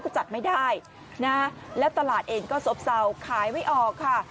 จัดไม่ได้นะแล้วตลาดเองก็โซ่บเซาขายไว้ออกค่ะ